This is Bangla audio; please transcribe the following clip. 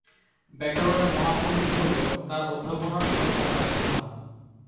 ব্যাকরণে মহাপণ্ডিত হলেও তাঁর অধ্যাপনার তত ক্ষমতা ছিল না।